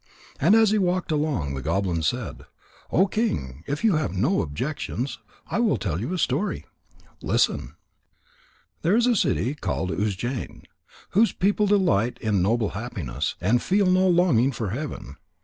And as he walked along, the goblin said: "O King, if you have no objections, I will tell you a story. Listen." There is a city called Ujjain, whose people delight in noble happiness, and feel no longing for heaven.